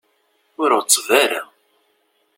Ur ɣetteb ara.